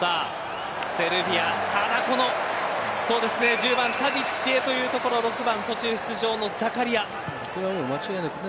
１０番タディッチへというところ６番、途中出場のザカリア。